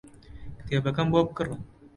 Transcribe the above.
کتێبەکەم بۆ بکڕە.